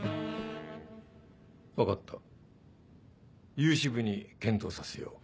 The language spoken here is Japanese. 分かった融資部に検討させよう。